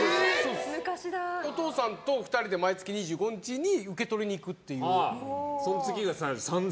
お父さんと２人で毎月２５日に受け取りに行くっていう。